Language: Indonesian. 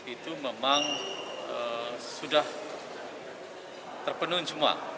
itu memang sudah terpenuhi semua